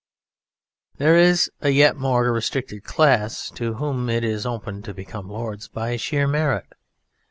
There is a yet more restricted class to whom it is open to become Lords by sheer merit.